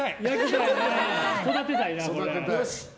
育てたいな。